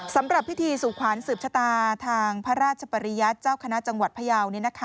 สำหรับพิธีสู่ขวัญสืบชะตาทางพระราชปริยัติเจ้าคณะจังหวัดพยาว